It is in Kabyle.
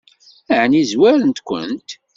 Ɛni zwaren-kent?